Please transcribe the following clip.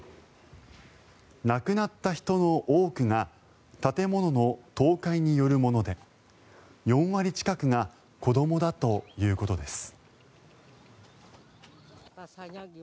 亡くなった人の多くが建物の倒壊によるもので４割近くが子どもだということです。